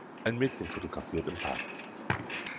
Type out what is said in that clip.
Ein Mädchen fotografiert im Park.